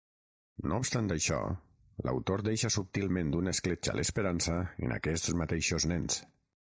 No obstant això, l'autor deixa subtilment una escletxa a l'esperança en aquests mateixos nens.